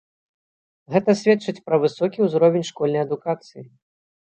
Гэта сведчыць пра высокі ўзровень школьнай адукацыі.